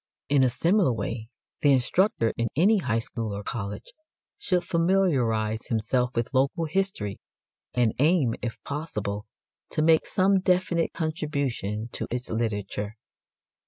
In a similar way the instructor in any high school or college should familiarize himself with local history, and aim, if possible, to make some definite contribution to its literature.